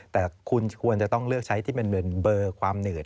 แต่คุณควรจะต้องเลือกใช้ที่มันเป็นเบอร์ความหนืด